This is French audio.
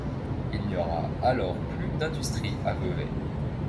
Il n’y aura alors plus d’industries à Veuvey.